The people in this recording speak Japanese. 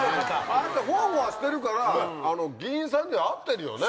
あの人ホワホワしてるから議員さんには合ってるよね。